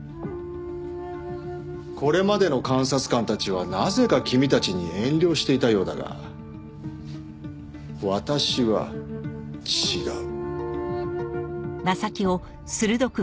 これまでの監察官たちはなぜか君たちに遠慮していたようだが私は違う。